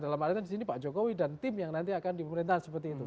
dalam hal ini pak jokowi dan tim yang nanti akan di pemerintahan seperti itu